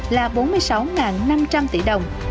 là bốn mươi sáu năm trăm linh tỷ đồng